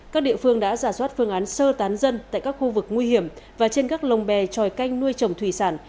các địa phương đã giả soát phương án sơ tán dân tại các khu vực nguy hiểm và trên các lồng bè tròi canh nuôi trồng thủy sản